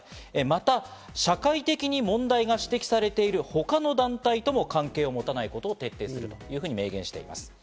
また社会的に問題が指摘されているほかの団体とも関係を持たないことを徹底すると明言しています。